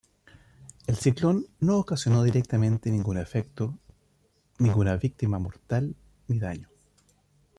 El ciclón no ocasionó directamente ningún efecto, ninguna víctima mortal ni daño.